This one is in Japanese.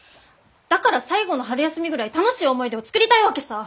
だから最後の春休みぐらい楽しい思い出を作りたいわけさ。